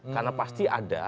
karena pasti ada